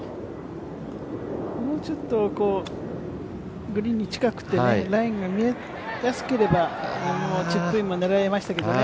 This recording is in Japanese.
もうちょっとグリーンに近くてライが見えやすければチップインも狙えましたけどね。